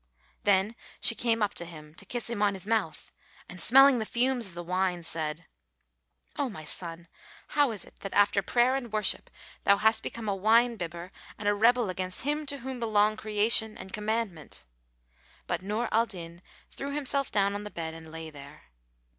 Then she came up to him, to kiss him on his mouth, and smelling the fumes of the wine, said, "O my son, how is it that, after prayer and worship thou hast become a wine bibber and a rebel against Him to whom belong creation and commandment?" But Nur al Din threw himself down on the bed and lay there.